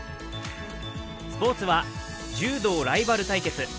スポーツは柔道ライバル対決。